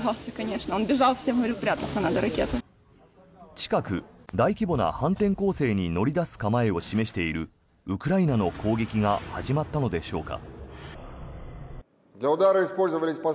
近く、大規模な反転攻勢に乗り出す構えを示しているウクライナの攻撃が始まったのでしょうか。